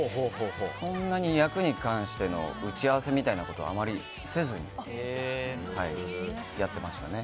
そんなに役に関しての打ち合わせみたいなことはあまりせずにやってましたね。